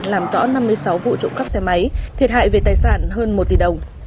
làm rõ năm mươi sáu vụ trộm cắp xe máy thiệt hại về tài sản hơn một tỷ đồng